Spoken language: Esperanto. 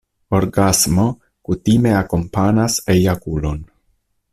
Orgasmo kutime akompanas ejakulon.